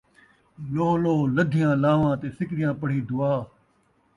لوہ لوہ لدّھیاں لان٘واں ، تے سکدیاں پڑھی دعا